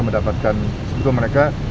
mendapatkan sebelum mereka